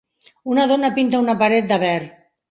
Una dona pinta una paret de verd.